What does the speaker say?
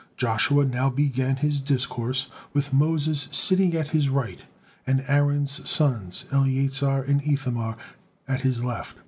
Joshua now began his discourse with Moses sitting at his right, and Aaron's sons, Eleazar and Ithamar, at this left.